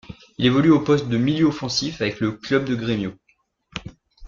Il évolue au poste de milieu offensif avec le club de Grêmio.